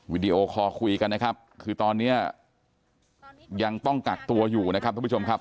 วิดีโอคอลคุยกันนะครับคือตอนนี้ยังต้องกักตัวอยู่นะครับทุกผู้ชมครับ